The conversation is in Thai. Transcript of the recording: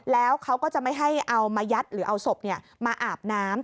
แล้วเขาก็จะไม่ให้เอามายัดหรือเอาศพมาอาบน้ำ